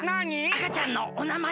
あかちゃんのお名前は？